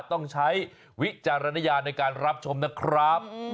ต้องใช้วิจารณญาณในการรับชมนะครับ